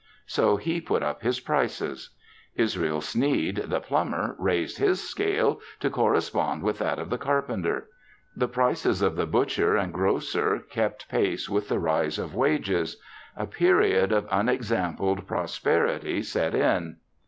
So he put up his prices. Israel Sneed, the plumber, raised his scale to correspond with that of the carpenter. The prices of the butcher and grocer kept pace with the rise of wages. A period of unexampled prosperity set in.